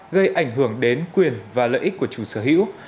gây ảnh hưởng đến quyền và lợi ích của chủ sở hữu